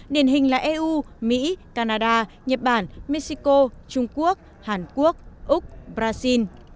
điển hình là eu mỹ canada nhật bản mexico trung quốc hàn quốc úc brazil